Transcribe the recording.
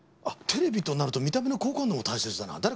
あっテレビとなると見た目の好感度も大切だな。